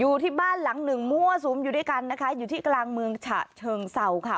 อยู่ที่บ้านหลังหนึ่งมั่วสุมอยู่ด้วยกันนะคะอยู่ที่กลางเมืองฉะเชิงเศร้าค่ะ